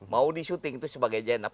mau di syuting itu sebagai jenap